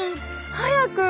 早く。